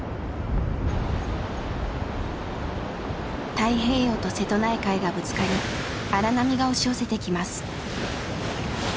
太平洋と瀬戸内海がぶつかり荒波が押し寄せてきます。